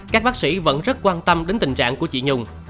các bác sĩ vẫn rất quan tâm đến tình trạng của chị nhung